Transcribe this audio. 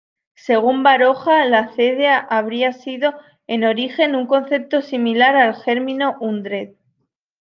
Según Baroja la cendea habría sido en origen un concepto similar al germánico "hundred".